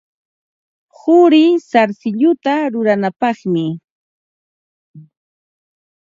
Quri sarsilluta ruranapaqmi.